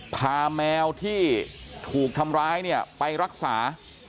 แมวที่ถูกทำร้ายเนี่ยไปรักษา